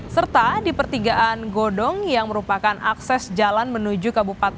serta di pertigaan godong yang merupakan akses jalan menuju kabupaten